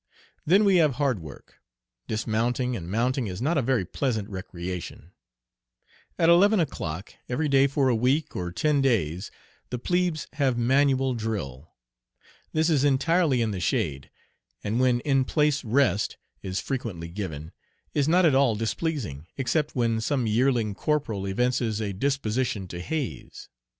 Then we have hard work. Dismounting and mounting is not a very pleasant recreation. At eleven o'clock, every day for a week or ten days, the plebes have manual drill. This is entirely in the shade, and when "In place, rest," is frequently given, is not at all displeasing, except when some yearling corporal evinces a disposition to haze.